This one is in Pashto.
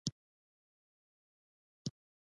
د ایران موټرې ارزانه دي.